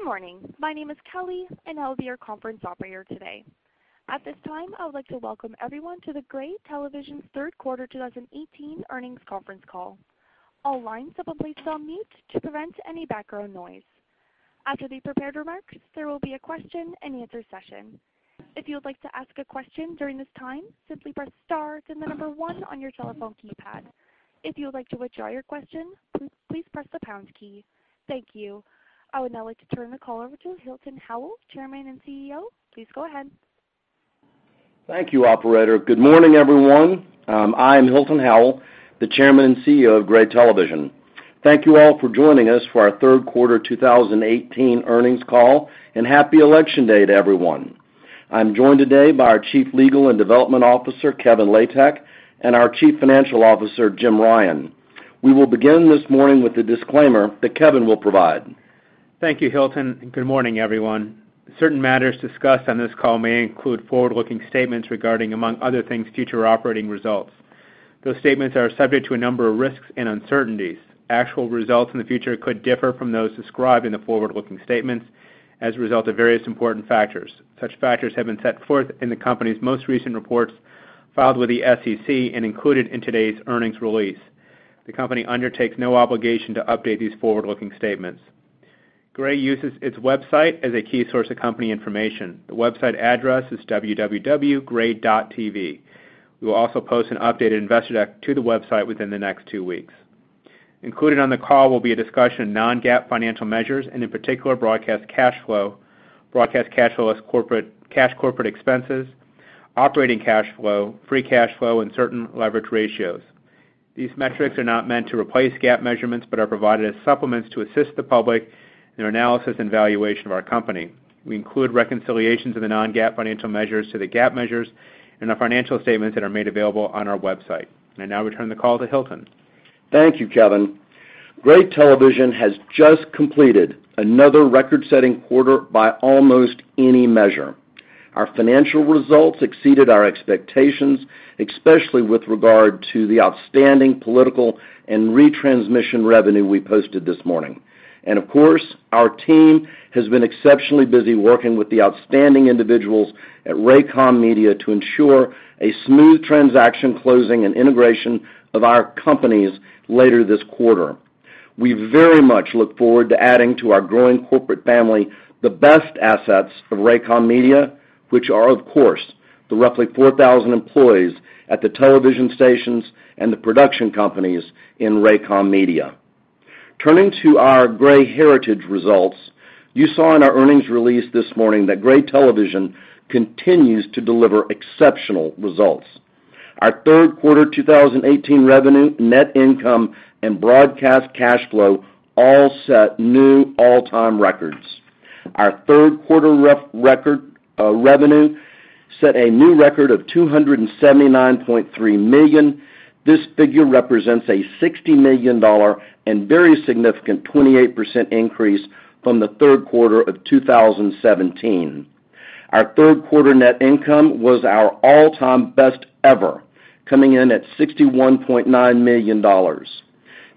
Good morning. My name is Kelly, I'll be your conference operator today. At this time, I would like to welcome everyone to the Gray Television third quarter 2018 earnings conference call. All lines have been placed on mute to prevent any background noise. After the prepared remarks, there will be a question-and-answer session. If you would like to ask a question during this time, simply press star, then the number one on your telephone keypad. If you would like to withdraw your question, please press the pounds key. Thank you. I would now like to turn the call over to Hilton Howell, Chairman and CEO. Please go ahead. Thank you, operator. Good morning, everyone. I am Hilton Howell, the Chairman and CEO of Gray Television. Thank you all for joining us for our third quarter 2018 earnings call, and happy election day to everyone. I'm joined today by our Chief Legal and Development Officer, Kevin Latek, and our Chief Financial Officer, Jim Ryan. We will begin this morning with a disclaimer that Kevin will provide. Thank you, Hilton, and good morning, everyone. Certain matters discussed on this call may include forward-looking statements regarding, among other things, future operating results. Those statements are subject to a number of risks and uncertainties. Actual results in the future could differ from those described in the forward-looking statements as a result of various important factors. Such factors have been set forth in the company's most recent reports filed with the SEC and included in today's earnings release. The company undertakes no obligation to update these forward-looking statements. Gray uses its website as a key source of company information. The website address is www.gray.tv. We will also post an updated investor deck to the website within the next two weeks. Included on the call will be a discussion of non-GAAP financial measures and in particular Broadcast Cash Flow, Broadcast Cash Flow as cash corporate expenses, Operating Cash Flow, Free Cash Flow, and certain leverage ratios. These metrics are not meant to replace GAAP measurements but are provided as supplements to assist the public in their analysis and valuation of our company. We include reconciliations of the non-GAAP financial measures to the GAAP measures in our financial statements that are made available on our website. I now return the call to Hilton. Thank you, Kevin. Gray Television has just completed another record-setting quarter by almost any measure. Our financial results exceeded our expectations, especially with regard to the outstanding political and retransmission revenue we posted this morning. Of course, our team has been exceptionally busy working with the outstanding individuals at Raycom Media to ensure a smooth transaction closing and integration of our companies later this quarter. We very much look forward to adding to our growing corporate family the best assets of Raycom Media, which are, of course, the roughly 4,000 employees at the television stations and the production companies in Raycom Media. Turning to our Gray heritage results, you saw in our earnings release this morning that Gray Television continues to deliver exceptional results. Our third quarter 2018 revenue, net income, and Broadcast Cash Flow all set new all-time records. Our third quarter revenue set a new record of $279.3 million. This figure represents a $60 million and very significant 28% increase from the third quarter of 2017. Our third quarter net income was our all-time best ever, coming in at $61.9 million.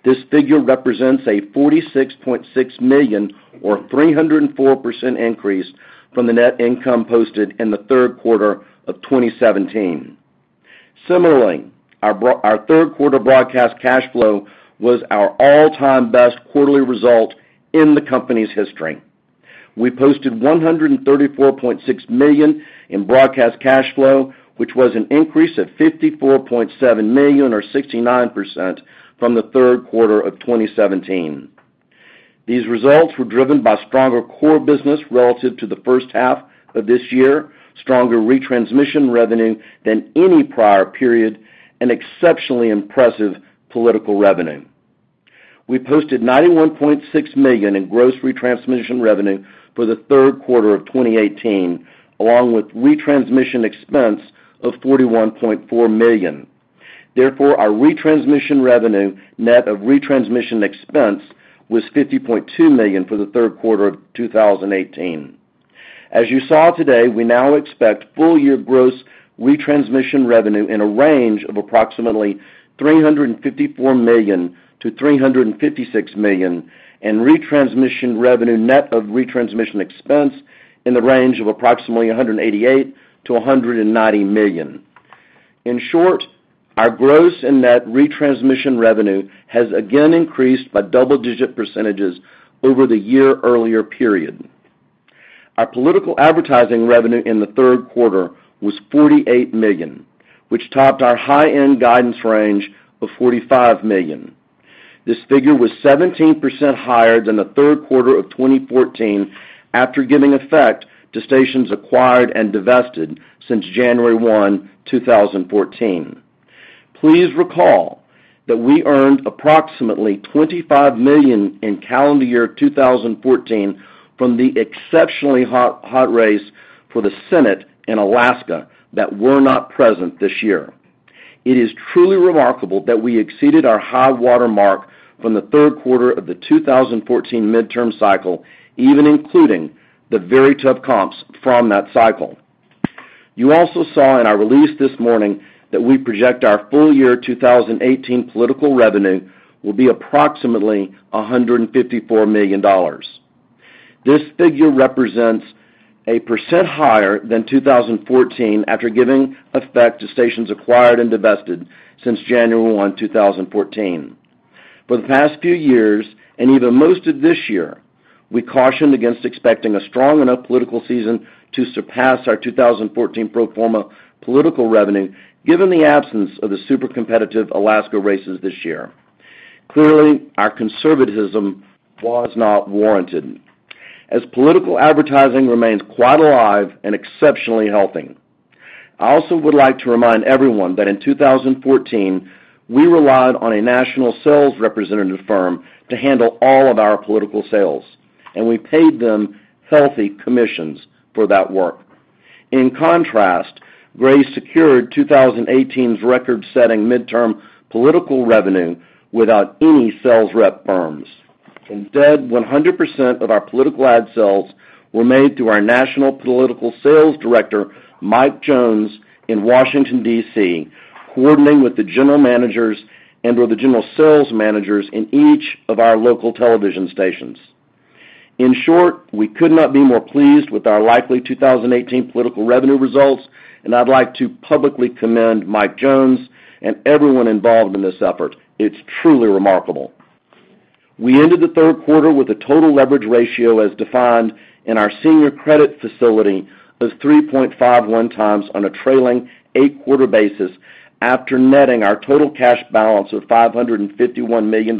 This figure represents a $46.6 million or 304% increase from the net income posted in the third quarter of 2017. Similarly, our third quarter Broadcast Cash Flow was our all-time best quarterly result in the company's history. We posted $134.6 million in Broadcast Cash Flow, which was an increase of $54.7 million or 69% from the third quarter of 2017. These results were driven by stronger core business relative to the first half of this year, stronger retransmission revenue than any prior period, and exceptionally impressive political revenue. We posted $91.6 million in gross retransmission revenue for the third quarter of 2018, along with retransmission expense of $41.4 million. Therefore, our retransmission revenue net of retransmission expense was $50.2 million for the third quarter of 2018. As you saw today, we now expect full year gross retransmission revenue in a range of approximately $354 million-$356 million, and retransmission revenue net of retransmission expense in the range of approximately $188 million-$190 million. In short, our gross and net retransmission revenue has again increased by double-digit % over the year earlier period. Our political advertising revenue in the third quarter was $48 million, which topped our high-end guidance range of $45 million. This figure was 17% higher than the third quarter of 2014 after giving effect to stations acquired and divested since January 1, 2014. Please recall that we earned approximately $25 million in calendar year 2014 from the exceptionally hot race for the Senate in Alaska that were not present this year. It is truly remarkable that we exceeded our high watermark from the third quarter of the 2014 midterm cycle, even including the very tough comps from that cycle. You also saw in our release this morning that we project our full year 2018 political revenue will be approximately $154 million. This figure represents a percent higher than 2014 after giving effect to stations acquired and divested since January 1, 2014. For the past few years, even most of this year, we cautioned against expecting a strong enough political season to surpass our 2014 pro forma political revenue, given the absence of the super competitive Alaska races this year. Clearly, our conservatism was not warranted, as political advertising remains quite alive and exceptionally healthy. I also would like to remind everyone that in 2014, we relied on a national sales representative firm to handle all of our political sales, and we paid them healthy commissions for that work. In contrast, Gray secured 2018's record-setting midterm political revenue without any sales rep firms. Instead, 100% of our political ad sales were made through our national political sales director, Mike Jones, in Washington, D.C., coordinating with the general managers and/or the general sales managers in each of our local television stations. In short, we could not be more pleased with our likely 2018 political revenue results, and I'd like to publicly commend Mike Jones and everyone involved in this effort. It's truly remarkable. We ended the third quarter with a total leverage ratio as defined in our senior credit facility of 3.51 times on a trailing eight-quarter basis after netting our total cash balance of $551 million.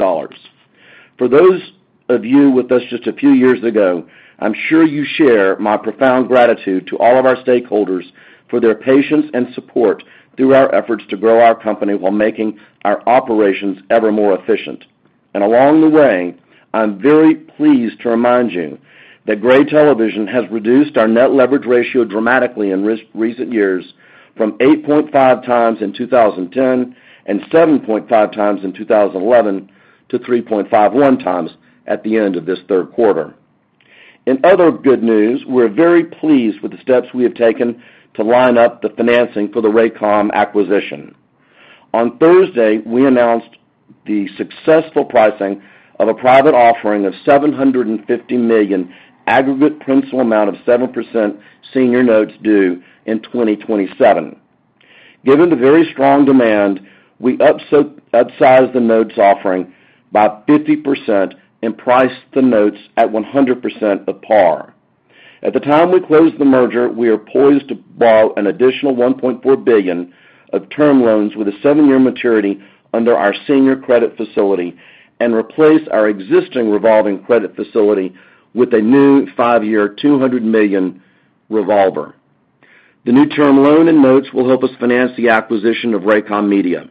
For those of you with us just a few years ago, I'm sure you share my profound gratitude to all of our stakeholders for their patience and support through our efforts to grow our company while making our operations ever more efficient. Along the way, I'm very pleased to remind you that Gray Television has reduced our net leverage ratio dramatically in recent years from 8.5 times in 2010 and 7.5 times in 2011 to 3.51 times at the end of this third quarter. In other good news, we're very pleased with the steps we have taken to line up the financing for the Raycom acquisition. On Thursday, we announced the successful pricing of a private offering of $750 million aggregate principal amount of 7% senior notes due in 2027. Given the very strong demand, we upsized the notes offering by 50% and priced the notes at 100% of par. At the time we close the merger, we are poised to borrow an additional $1.4 billion of term loans with a seven-year maturity under our senior credit facility and replace our existing revolving credit facility with a new five-year, $200 million revolver. The new term loan and notes will help us finance the acquisition of Raycom Media.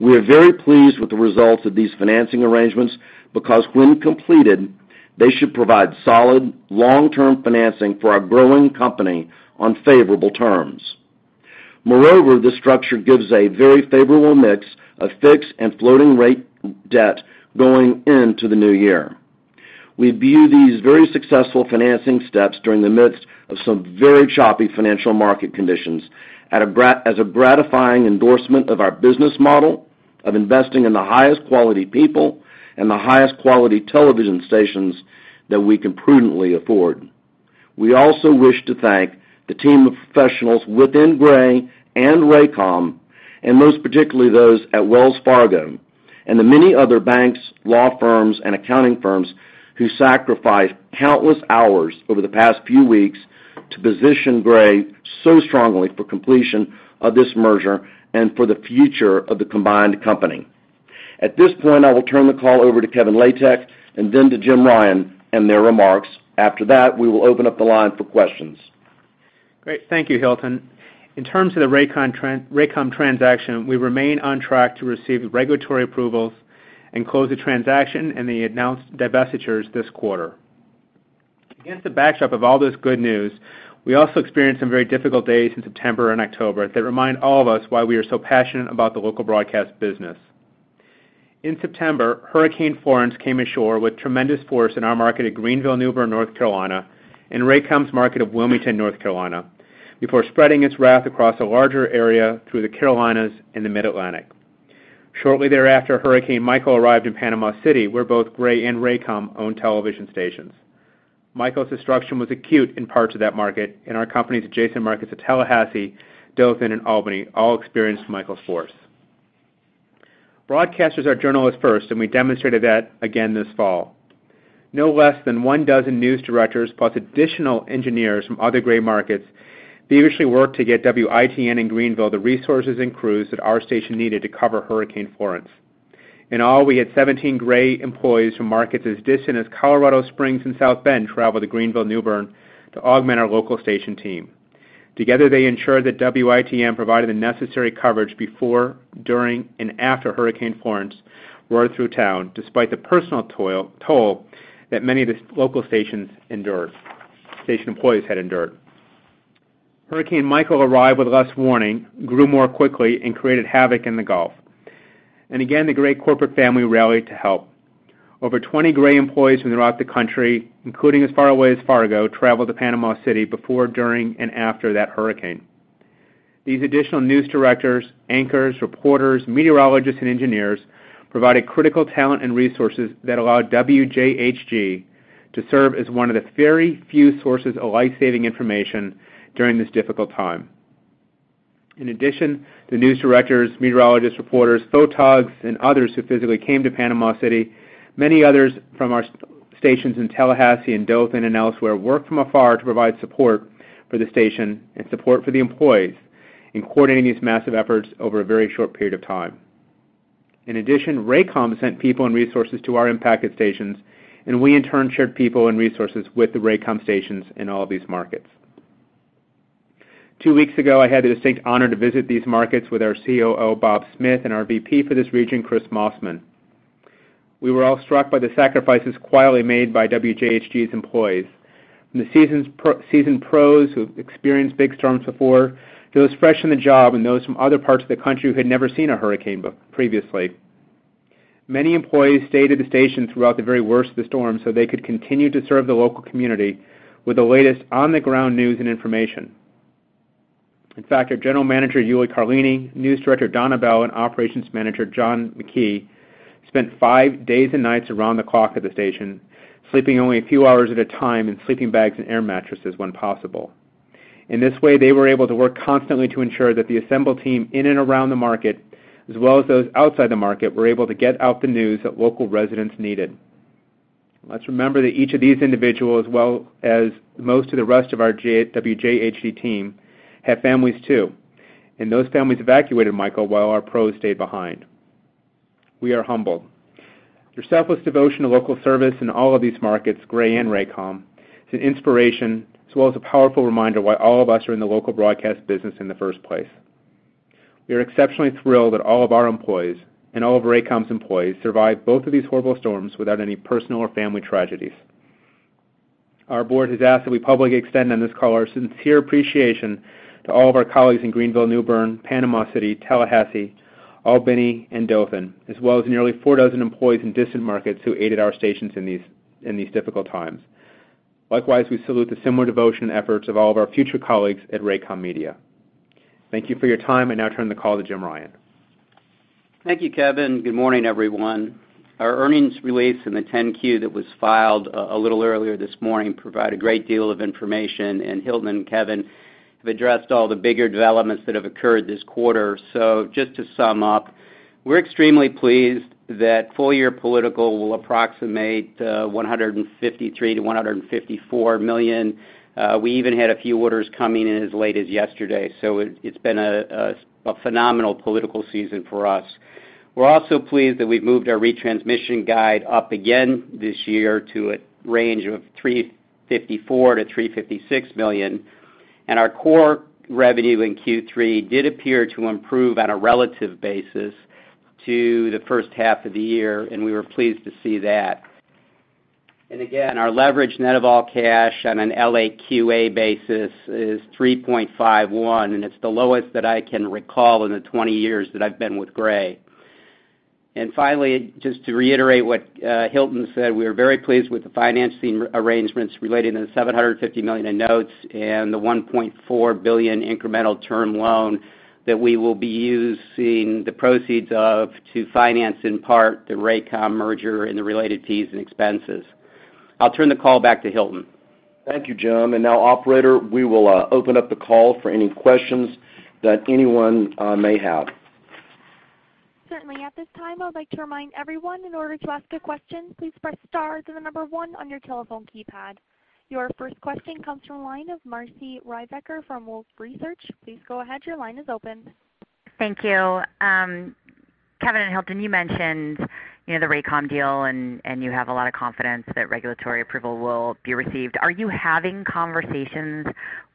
We are very pleased with the results of these financing arrangements because when completed, they should provide solid, long-term financing for our growing company on favorable terms. Moreover, this structure gives a very favorable mix of fixed and floating rate debt going into the new year. We view these very successful financing steps during the midst of some very choppy financial market conditions as a gratifying endorsement of our business model of investing in the highest quality people and the highest quality television stations that we can prudently afford. We also wish to thank the team of professionals within Gray and Raycom, and most particularly those at Wells Fargo and the many other banks, law firms, and accounting firms who sacrificed countless hours over the past few weeks to position Gray so strongly for completion of this merger and for the future of the combined company. At this point, I will turn the call over to Kevin Latek and then to Jim Ryan and their remarks. After that, we will open up the line for questions. Great. Thank you, Hilton. In terms of the Raycom transaction, we remain on track to receive regulatory approvals and close the transaction and the announced divestitures this quarter. Against the backdrop of all this good news, we also experienced some very difficult days in September and October that remind all of us why we are so passionate about the local broadcast business. In September, Hurricane Florence came ashore with tremendous force in our market at Greenville, New Bern, North Carolina, and Raycom's market of Wilmington, North Carolina, before spreading its wrath across a larger area through the Carolinas and the Mid-Atlantic. Shortly thereafter, Hurricane Michael arrived in Panama City, where both Gray and Raycom own television stations. Michael's destruction was acute in parts of that market, and our company's adjacent markets of Tallahassee, Dothan, and Albany all experienced Michael's force. Broadcasters are journalists first. We demonstrated that again this fall. No less than 1 dozen news directors, plus additional engineers from other Gray markets, furiously worked to get WITN-TV in Greenville the resources and crews that our station needed to cover Hurricane Florence. In all, we had 17 Gray employees from markets as distant as Colorado Springs and South Bend travel to Greenville, New Bern to augment our local station team. Together, they ensured that WITN-TV provided the necessary coverage before, during, and after Hurricane Florence roared through town, despite the personal toll that many of the local station employees had endured. Hurricane Michael arrived with less warning, grew more quickly, and created havoc in the Gulf. Again, the Gray corporate family rallied to help. Over 20 Gray employees from throughout the country, including as far away as Fargo, traveled to Panama City before, during, and after that hurricane. These additional news directors, anchors, reporters, meteorologists, and engineers provided critical talent and resources that allowed WJHG-TV to serve as one of the very few sources of life-saving information during this difficult time. In addition, the news directors, meteorologists, reporters, photogs, and others who physically came to Panama City, many others from our stations in Tallahassee and Dothan and elsewhere, worked from afar to provide support for the station and support for the employees in coordinating these massive efforts over a very short period of time. In addition, Raycom sent people and resources to our impacted stations. We in turn shared people and resources with the Raycom stations in all of these markets. Two weeks ago, I had the distinct honor to visit these markets with our COO, Bob Smith, and our VP for this region, Chris Mossman. We were all struck by the sacrifices quietly made by WJHG-TV's employees. From the seasoned pros who have experienced big storms before, to those fresh in the job, and those from other parts of the country who had never seen a hurricane previously. Many employees stayed at the station throughout the very worst of the storm so they could continue to serve the local community with the latest on-the-ground news and information. In fact, our General Manager, Yuli Carlini, News Director, Don Ebell, and Operations Manager, John McKee, spent five days and nights around the clock at the station, sleeping only a few hours at a time in sleeping bags and air mattresses when possible. In this way, they were able to work constantly to ensure that the assembled team in and around the market, as well as those outside the market, were able to get out the news that local residents needed. Let's remember that each of these individuals, as well as most of the rest of our WJHG-TV team, have families too, and those families evacuated Michael while our pros stayed behind. We are humbled. Your selfless devotion to local service in all of these markets, Gray and Raycom, is an inspiration as well as a powerful reminder why all of us are in the local broadcast business in the first place. We are exceptionally thrilled that all of our employees and all of Raycom's employees survived both of these horrible storms without any personal or family tragedies. Our board has asked that we publicly extend on this call our sincere appreciation to all of our colleagues in Greenville, New Bern, Panama City, Tallahassee, Albany, and Dothan, as well as nearly four dozen employees in distant markets who aided our stations in these difficult times. Likewise, we salute the similar devotion and efforts of all of our future colleagues at Raycom Media. Thank you for your time. I now turn the call to Jim Ryan. Thank you, Kevin. Good morning, everyone. Our earnings release and the 10-Q that was filed a little earlier this morning provide a great deal of information. Hilton and Kevin have addressed all the bigger developments that have occurred this quarter. Just to sum up, we're extremely pleased that full-year political will approximate $153 million-$154 million. We even had a few orders coming in as late as yesterday, so it's been a phenomenal political season for us. We're also pleased that we've moved our retransmission guide up again this year to a range of $354 million-$356 million. Our core revenue in Q3 did appear to improve on a relative basis to the first half of the year, and we were pleased to see that. Again, our leverage net of all cash on an LQA basis is 3.51, and it's the lowest that I can recall in the 20 years that I've been with Gray. Finally, just to reiterate what Hilton said, we are very pleased with the financing arrangements relating to the $750 million in notes and the $1.4 billion incremental term loan that we will be using the proceeds of to finance in part the Raycom merger and the related fees and expenses. I'll turn the call back to Hilton. Thank you, Jim. Now, operator, we will open up the call for any questions that anyone may have. Certainly. At this time, I would like to remind everyone in order to ask a question, please press star then the number one on your telephone keypad. Your first question comes from the line of Marci Ryvicker from Wolfe Research. Please go ahead, your line is open. Thank you. Kevin and Hilton, you mentioned the Raycom deal, and you have a lot of confidence that regulatory approval will be received. Are you having conversations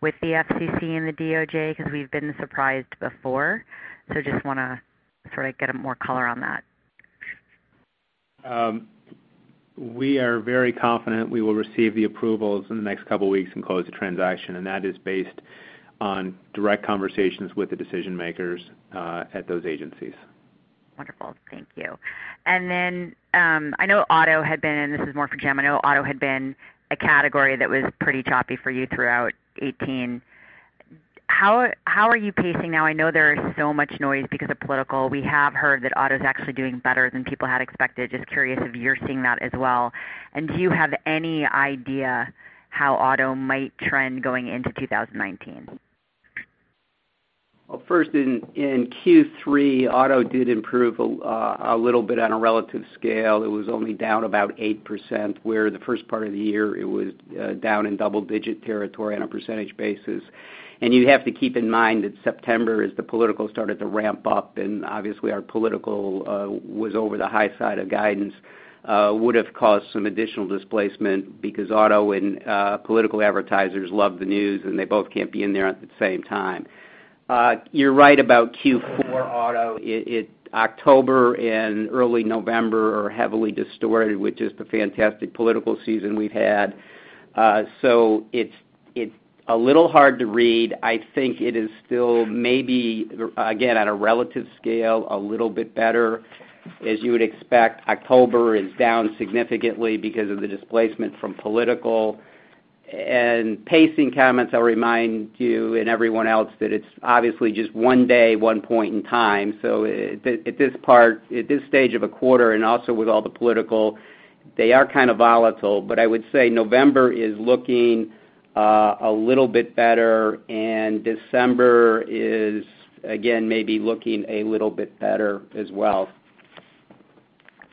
with the FCC and the DOJ? We've been surprised before, so just want to sort of get more color on that. We are very confident we will receive the approvals in the next couple of weeks and close the transaction, and that is based on direct conversations with the decision-makers at those agencies. Wonderful. Thank you. I know auto had been, and this is more for Jim, I know auto had been a category that was pretty choppy for you throughout 2018. How are you pacing now? I know there is so much noise because of political. We have heard that auto's actually doing better than people had expected. Just curious if you're seeing that as well. Do you have any idea how auto might trend going into 2019? Well, first in Q3, auto did improve a little bit on a relative scale. It was only down about 8%, where the first part of the year it was down in double-digit territory on a percentage basis. You have to keep in mind that September, as the political started to ramp up, and obviously our political was over the high side of guidance, would've caused some additional displacement because auto and political advertisers love the news, and they both can't be in there at the same time. You're right about Q4 auto. October and early November are heavily distorted with just the fantastic political season we've had. It's a little hard to read. I think it is still maybe, again, on a relative scale, a little bit better as you would expect. October is down significantly because of the displacement from political and pacing comments. I'll remind you and everyone else that it's obviously just one day, one point in time. At this stage of a quarter, and also with all the political, they are kind of volatile, but I would say November is looking a little bit better, December is, again, maybe looking a little bit better as well.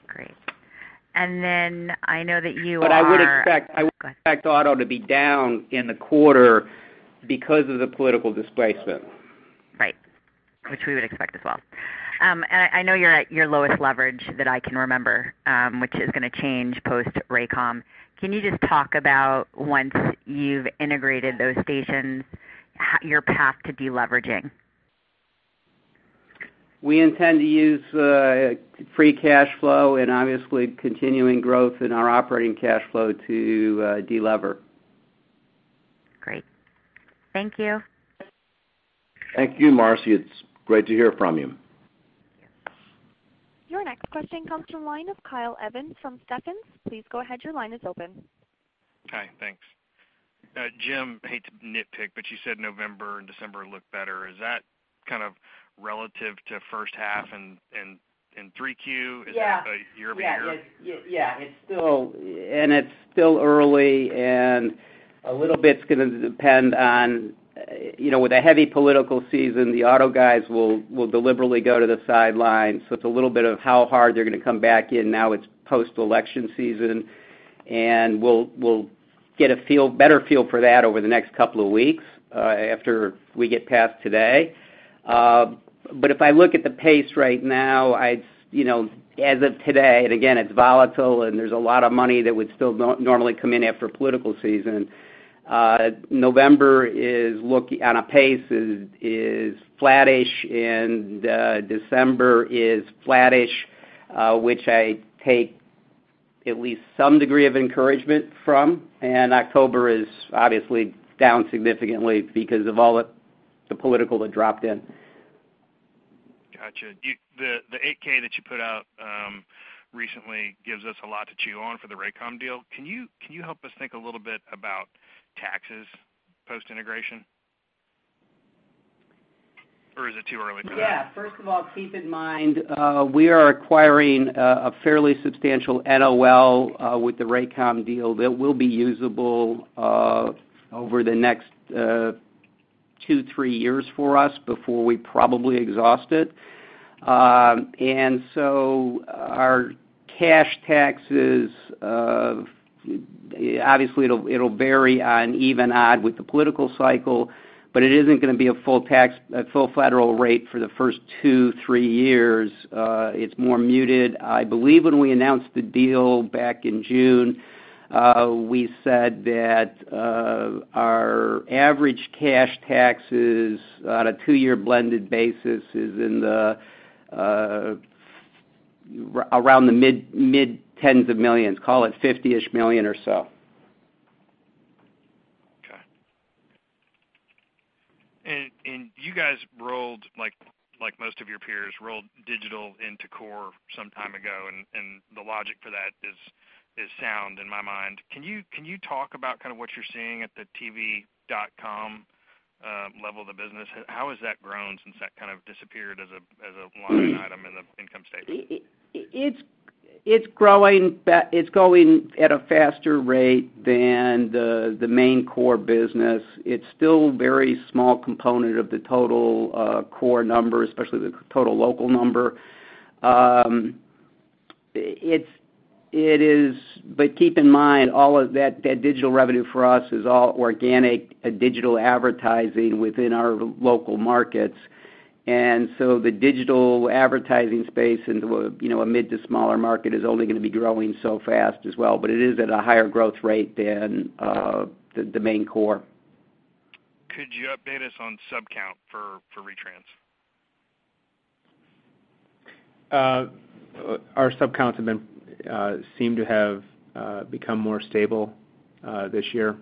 Great. I know that you are. I would expect- Go ahead auto to be down in the quarter because of the political displacement. Right. Which we would expect as well. I know you're at your lowest leverage that I can remember, which is going to change post Raycom. Can you just talk about once you've integrated those stations, your path to deleveraging? We intend to use Free Cash Flow and obviously continuing growth in our Operating Cash Flow to delever. Great. Thank you. Thank you, Marci. It's great to hear from you. Thank you. Your next question comes from line of Kyle Evans from Stephens. Please go ahead. Your line is open. Hi. Thanks. Jim, I hate to nitpick, you said November and December look better. Is that kind of relative to first half and in three Q? Yeah. Is that a year over year? Yeah. It's still early and a little bit's going to depend on, with a heavy political season, the auto guys will deliberately go to the sidelines. It's a little bit of how hard they're going to come back in now it's post-election season, we'll get a better feel for that over the next couple of weeks, after we get past today. If I look at the pace right now, as of today, again, it's volatile there's a lot of money that would still normally come in after political season. November is on a pace, is flattish, December is flattish, which I take at least some degree of encouragement from, October is obviously down significantly because of all the political that dropped in. Got you. The 8-K that you put out recently gives us a lot to chew on for the Raycom deal. Can you help us think a little bit about taxes post-integration? Or is it too early for that? Yeah. First of all, keep in mind, we are acquiring a fairly substantial NOL with the Raycom deal that will be usable over the next two, three years for us before we probably exhaust it. Our cash taxes, obviously it'll vary on even, odd with the political cycle, but it isn't going to be a full federal rate for the first two, three years. It's more muted. I believe when we announced the deal back in June, we said that our average cash taxes on a two-year blended basis is around the mid tens of millions, call it $50-ish million or so. Okay. You guys, like most of your peers, rolled digital into core some time ago, and the logic for that is sound in my mind. Can you talk about what you're seeing at the tv.com level of the business? How has that grown since that kind of disappeared as a line item in the income statement? It's growing at a faster rate than the main core business. It's still very small component of the total core number, especially the total local number. Keep in mind, all of that digital revenue for us is all organic digital advertising within our local markets. The digital advertising space into a mid to smaller market is only going to be growing so fast as well, but it is at a higher growth rate than the main core. Could you update us on sub count for retrans? Our sub counts seem to have become more stable this year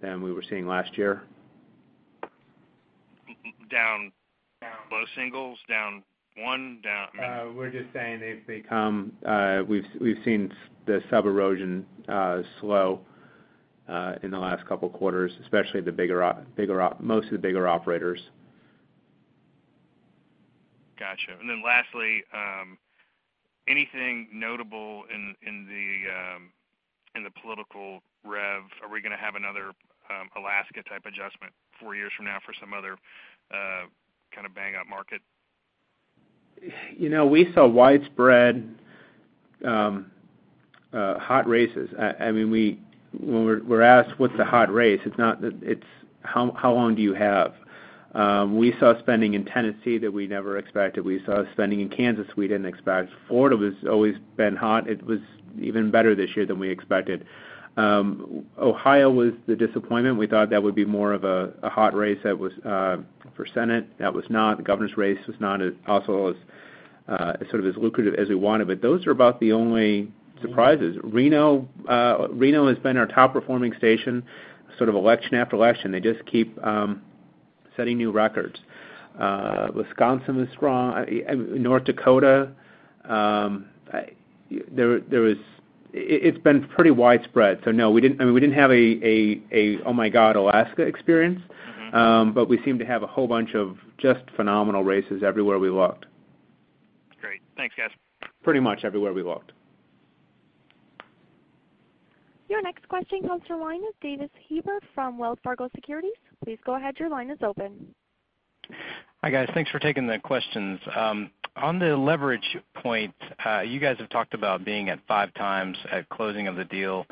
than we were seeing last year. Down low singles, down one. We're just saying we've seen the sub erosion slow in the last couple of quarters, especially most of the bigger operators. Got you. Lastly, anything notable in the political rev? Are we going to have another Alaska type adjustment four years from now for some other kind of bang-up market? We saw widespread hot races. When we're asked what's a hot race, it's how long do you have? We saw spending in Tennessee that we never expected. We saw spending in Kansas we didn't expect. Florida was always been hot. It was even better this year than we expected. Ohio was the disappointment. We thought that would be more of a hot race that was for Senate. That was not. The governor's race was not also as sort of as lucrative as we wanted. Those are about the only surprises. Reno has been our top-performing station, sort of election after election. They just keep setting new records. Wisconsin was strong. North Dakota, it's been pretty widespread. No, we didn't have a, oh-my-God Alaska experience. We seem to have a whole bunch of just phenomenal races everywhere we looked. Great. Thanks, guys. Pretty much everywhere we looked. Your next question comes from the line of Davis Hebert from Wells Fargo Securities. Please go ahead, your line is open. Hi, guys. Thanks for taking the questions. On the leverage point, you guys have talked about being at five times at closing of the deal.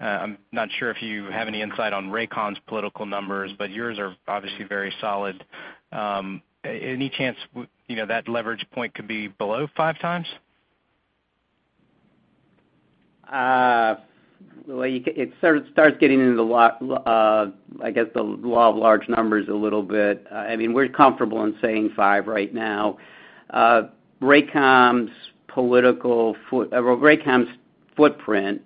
I'm not sure if you have any insight on Raycom's political numbers, but yours are obviously very solid. Any chance that leverage point could be below five times? Well, it starts getting into, I guess, the law of large numbers a little bit. We're comfortable in saying five right now. Raycom's footprint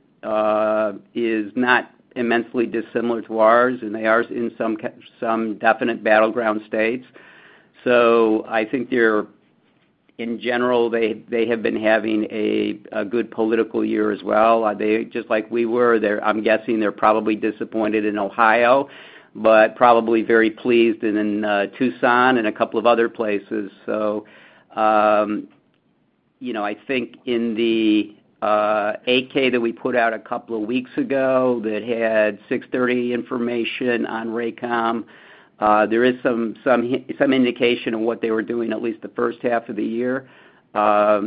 is not immensely dissimilar to ours, and they are in some definite battleground states. I think, in general, they have been having a good political year as well. Just like we were, I'm guessing they're probably disappointed in Ohio, but probably very pleased in Tucson and a couple of other places. I think in the 8-K that we put out a couple of weeks ago that had 6/30 information on Raycom, there is some indication of what they were doing at least the first half of the year. I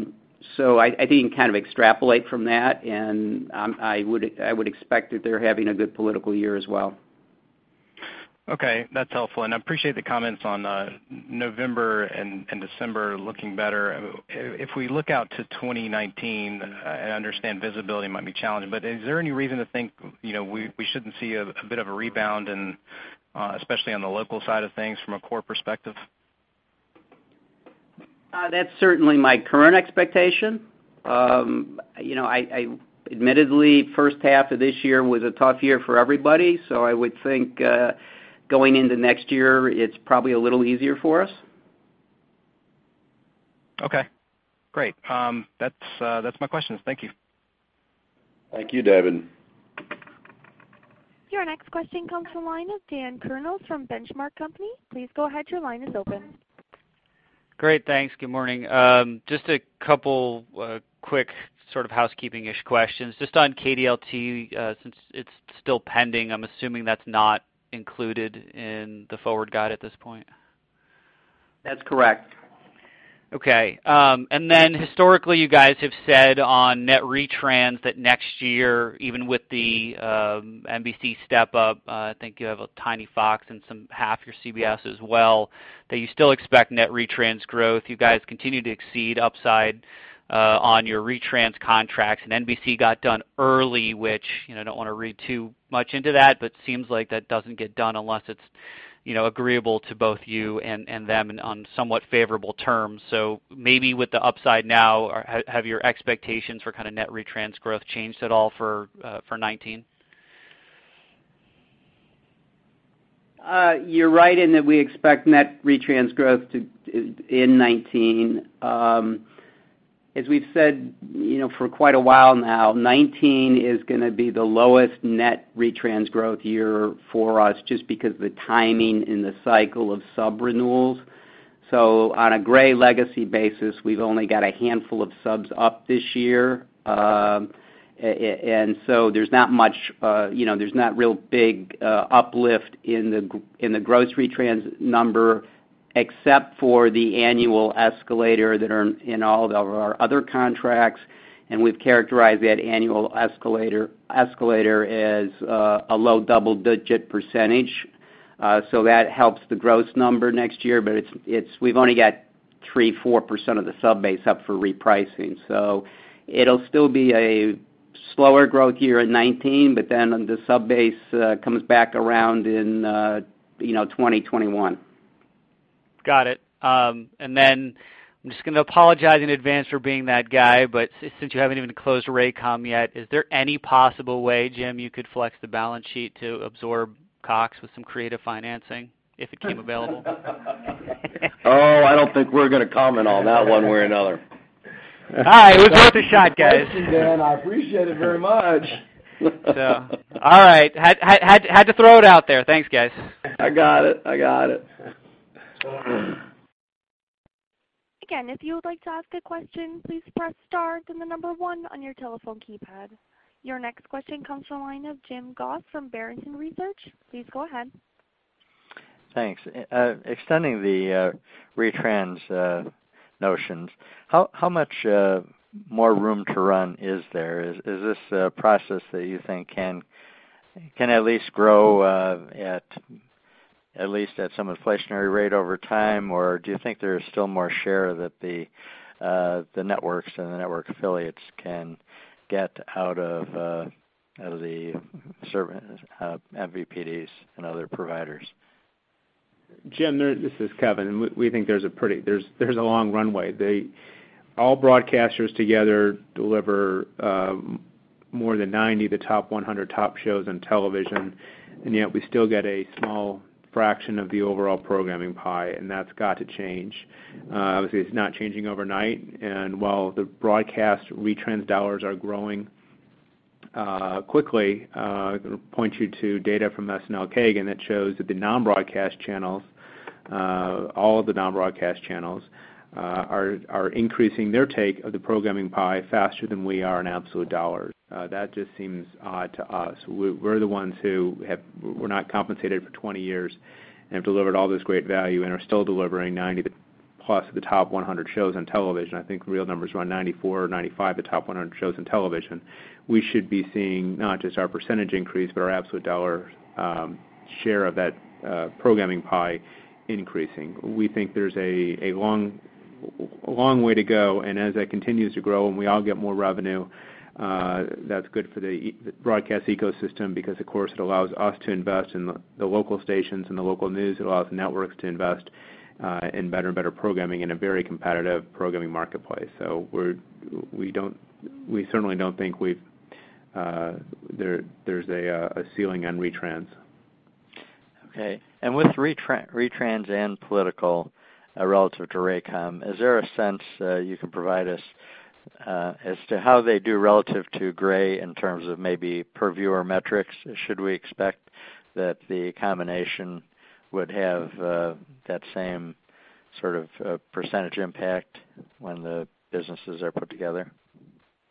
think you can kind of extrapolate from that, and I would expect that they're having a good political year as well. Okay. That's helpful. I appreciate the comments on November and December looking better. If we look out to 2019, I understand visibility might be challenging, but is there any reason to think we shouldn't see a bit of a rebound, especially on the local side of things from a core perspective? That's certainly my current expectation. Admittedly, first half of this year was a tough year for everybody. I would think, going into next year, it's probably a little easier for us. Okay, great. That's my questions. Thank you. Thank you, Davis. Your next question comes from the line of Dan Kurnos from The Benchmark Company. Please go ahead, your line is open. Great, thanks. Good morning. Just a couple quick sort of housekeeping-ish questions. Just on KDLT-TV, since it's still pending, I'm assuming that's not included in the forward guide at this point. That's correct. Historically, you guys have said on net retrans that next year, even with the NBC step up, I think you have a tiny Fox and some half your CBS as well, that you still expect net retrans growth. You guys continue to exceed upside on your retrans contracts. NBC got done early, which I don't want to read too much into that, seems like that doesn't get done unless it's agreeable to both you and them and on somewhat favorable terms. Maybe with the upside now, have your expectations for net retrans growth changed at all for 2019? You're right in that we expect net retrans growth in 2019. As we've said for quite a while now, 2019 is going to be the lowest net retrans growth year for us, just because the timing in the cycle of sub renewals. On a Gray legacy basis, we've only got a handful of subs up this year. There's not real big uplift in the gross retrans number, except for the annual escalator that are in all of our other contracts, and we've characterized that annual escalator as a low double-digit percentage. That helps the gross number next year, but we've only got 3%, 4% of the sub base up for repricing. It'll still be a slower growth year in 2019, but then the sub base comes back around in 2020, 2021. Got it. I'm just going to apologize in advance for being that guy, since you haven't even closed Raycom yet, is there any possible way, Jim, you could flex the balance sheet to absorb Cox with some creative financing if it came available? I don't think we're going to comment on that one way or another. All right. It was worth a shot, guys. Thanks again. I appreciate it very much. All right. Had to throw it out there. Thanks, guys. I got it. I got it. Again, if you would like to ask a question, please press star then the number one on your telephone keypad. Your next question comes from the line of Jim Goss from Barrington Research. Please go ahead. Thanks. Extending the retrans notions, how much more room to run is there? Is this a process that you think can at least grow at some inflationary rate over time, or do you think there's still more share that the networks and the network affiliates can get out of the MVPDs and other providers? Jim, this is Kevin. We think there's a long runway. All broadcasters together deliver more than 90, the top 100 top shows on television. Yet we still get a small fraction of the overall programming pie. That's got to change. Obviously, it's not changing overnight. While the broadcast retrans dollars are growing quickly, point you to data from SNL Kagan that shows that the non-broadcast channels, all of the non-broadcast channels are increasing their take of the programming pie faster than we are in absolute dollars. That just seems odd to us. We're the ones who were not compensated for 20 years and have delivered all this great value and are still delivering 90-plus of the top 100 shows on television. I think the real number's around 94 or 95, the top 100 shows on television. We should be seeing not just our % increase, but our absolute $ share of that programming pie increasing. We think there's a long way to go. As that continues to grow and we all get more revenue, that's good for the broadcast ecosystem because, of course, it allows us to invest in the local stations and the local news. It allows networks to invest in better and better programming in a very competitive programming marketplace. We certainly don't think there's a ceiling on retrans. Okay. With retrans and political relative to Raycom, is there a sense you can provide us as to how they do relative to Gray in terms of maybe per-viewer metrics? Should we expect that the combination would have that same sort of percentage impact when the businesses are put together?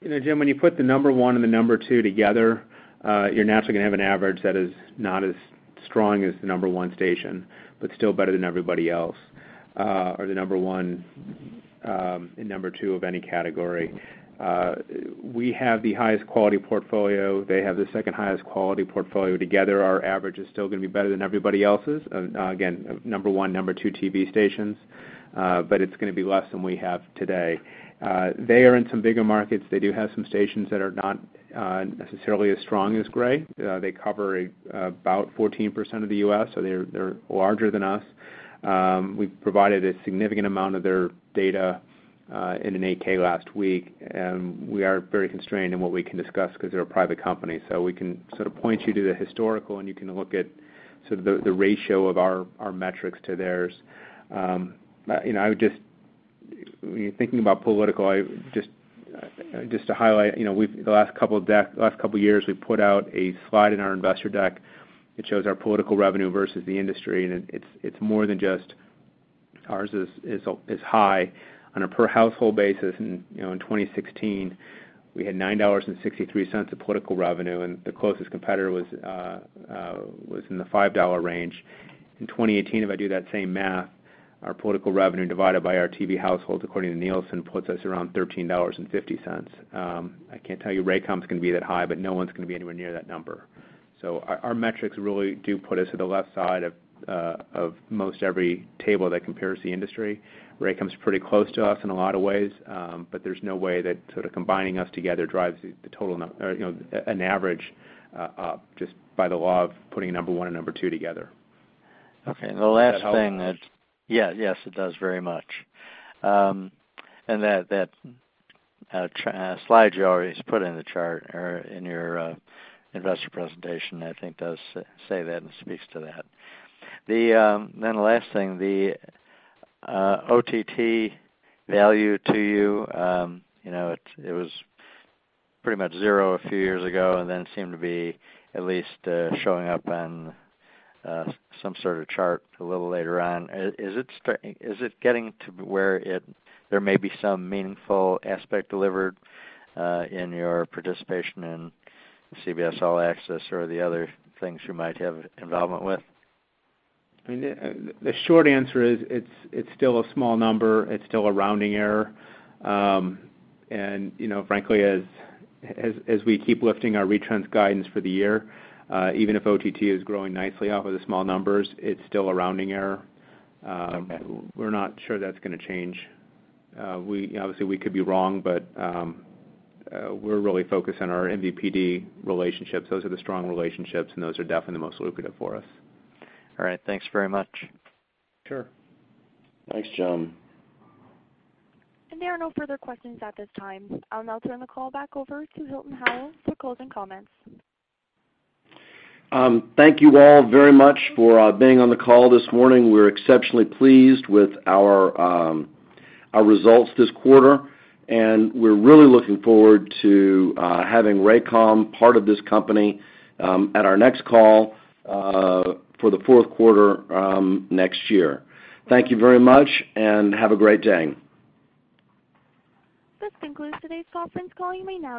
Jim, when you put the number 1 and the number 2 together, you're naturally going to have an average that is not as strong as the number 1 station, but still better than everybody else, or the number 1 and number 2 of any category. We have the highest quality portfolio. They have the second highest quality portfolio. Together, our average is still going to be better than everybody else's. Again, number 1, number 2 TV stations, but it's going to be less than we have today. They are in some bigger markets. They do have some stations that are not necessarily as strong as Gray. They cover about 14% of the U.S., so they're larger than us. We've provided a significant amount of their data in an 8-K last week. We are very constrained in what we can discuss because they're a private company. We can sort of point you to the historical, and you can look at sort of the ratio of our metrics to theirs. Thinking about political, just to highlight, the last couple of years, we've put out a slide in our investor deck that shows our political revenue versus the industry, and it's more than just ours is high on a per household basis. In 2016, we had $9.63 of political revenue, and the closest competitor was in the $5 range. In 2018, if I do that same math, our political revenue divided by our TV households according to Nielsen puts us around $13.50. I can't tell you Raycom's going to be that high, but no one's going to be anywhere near that number. Our metrics really do put us to the left side of most every table that compares the industry. Raycom's pretty close to us in a lot of ways, there's no way that sort of combining us together drives an average just by the law of putting number 1 and number 2 together. Okay. Does that help? Yes, it does very much. That slide you always put in the chart or in your investor presentation, I think, does say that and speaks to that. The last thing, the OTT value to you, it was pretty much zero a few years ago and seemed to be at least showing up on some sort of chart a little later on. Is it getting to where there may be some meaningful aspect delivered in your participation in CBS All Access or the other things you might have involvement with? The short answer is it's still a small number. It's still a rounding error. Frankly, as we keep lifting our retrans guidance for the year, even if OTT is growing nicely off of the small numbers, it's still a rounding error. Okay. We're not sure that's going to change. Obviously, we could be wrong, we're really focused on our MVPD relationships. Those are the strong relationships, those are definitely the most lucrative for us. All right. Thanks very much. Sure. Thanks, Jim. There are no further questions at this time. I'll now turn the call back over to Hilton Howell for closing comments. Thank you all very much for being on the call this morning. We're exceptionally pleased with our results this quarter, and we're really looking forward to having Raycom part of this company at our next call for the fourth quarter next year. Thank you very much, and have a great day. This concludes today's conference call. You may now disconnect.